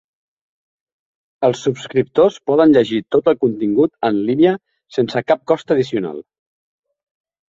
Els subscriptors poden llegir tot el contingut en línia sense cap cost addicional.